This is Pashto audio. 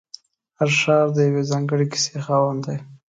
هر ښار د یوې ځانګړې کیسې خاوند دی.